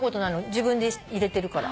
自分で入れてるから。